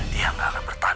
dia gak akan bertahan